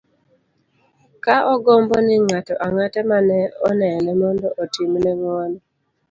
ka ogombo ni ng'ato ang'ata mane onene mondo otim ne ng'uono